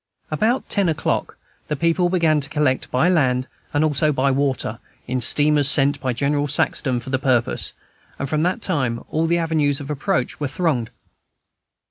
About ten o'clock the people began to collect by land, and also by water, in steamers sent by General Saxton for the purpose; and from that time all the avenues of approach were thronged.